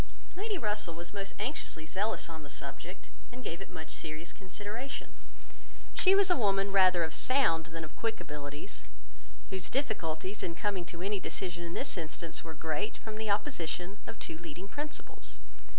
Lady Russell was most anxiously zealous on the subject, and gave it much serious consideration. She was a woman rather of sound than of quick abilities, whose difficulties in coming to any decision in this instance were great, from the opposition of two leading principles.